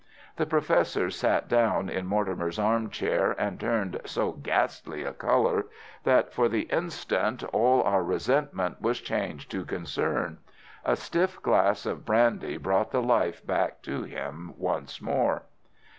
The Professor sat down in Mortimer's arm chair, and turned so ghastly a colour that for the instant, all our resentment was changed to concern. A stiff glass of brandy brought the life back to him once more.